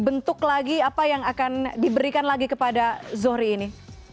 bentuk lagi apa yang akan diberikan lagi kepada zohri ini